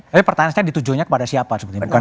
tapi pertanyaannya ditujunya kepada siapa